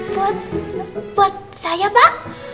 buat buat saya pak